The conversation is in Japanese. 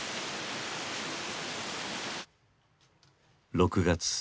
６月。